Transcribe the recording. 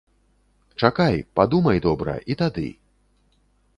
Чакай, падумай добра, і тады.